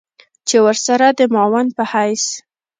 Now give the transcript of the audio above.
چې ورسره د معاون په حېث